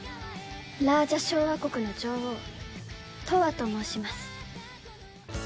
ラージャ小亜国の女王トワと申します。